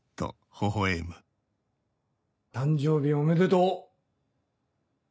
誕生日おめでとう。